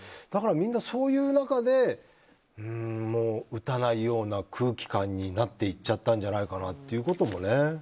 みんな、そういう中で打たないような空気感になっていっちゃったんじゃないかなということもね。